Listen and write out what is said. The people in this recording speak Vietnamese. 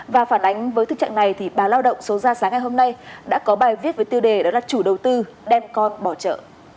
và phản ánh với thực trạng này thì báo lao động số ra sáng ngày hôm nay đã có bài viết với tiêu đề đó là chủ đầu tư đem con bỏ chợ